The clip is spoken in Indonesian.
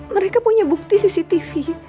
mereka punya bukti cctv